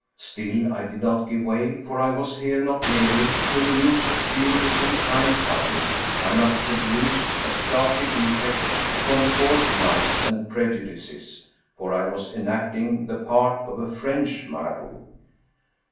Still, I did not give way, for I was here not merely to amuse a curious and kind public, I must produce a startling effect upon coarse minds and prejudices, for I was enacting the part of a French Marabout.